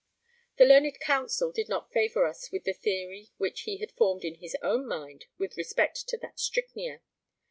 The learned counsel did not favour us with the theory which he had formed in his own mind with respect to that strychnia.